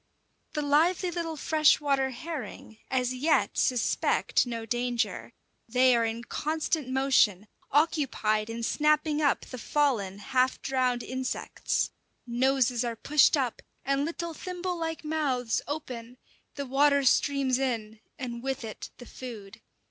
The lively little freshwater herring as yet suspect no danger; they are in constant motion, occupied in snapping up the fallen, half drowned insects. Noses are pushed up, and little thimble like mouths open; the water streams in, and with it the food.